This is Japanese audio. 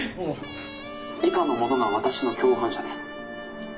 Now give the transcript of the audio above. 「以下の者が私の共犯者です」